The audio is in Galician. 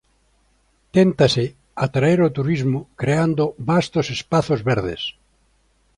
Téntase atraer o turismo creando vastos espazos verdes.